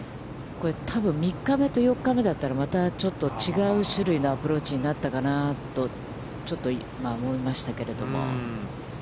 多分３日目と４日目だったら、またちょっと違う種類のアプローチになったかなと、ちょっと今、思いましたけれども。